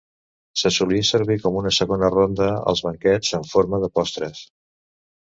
Se solia servir com una segona ronda als banquets en forma de postres.